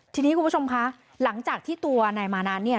ทีนี้คุณผู้ชมคะหลังจากที่ตัวนายมานานเนี่ย